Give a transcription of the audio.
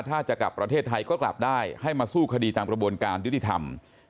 ถ้าจะกลับประเทศไทยก็กลับได้ให้มาสู้คดีตามกระบวนการยุติธรรม